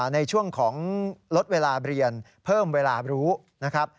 ในช่วงของลดเวลาเรียนเพิ่มเวลารู้นะครับ